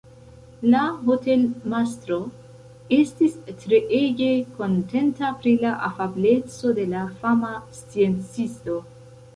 La hotelmastro estis treege kontenta pri la afableco de la fama sciencisto.